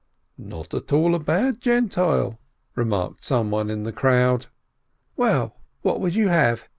"Not at all a bad Gentile," remarked someone in the crowd. "Well, what would you have?